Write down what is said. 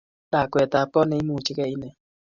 Lakwetab goot neimuchige ine